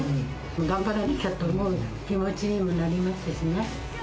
頑張らなきゃって思う気持ちにもなりますしね。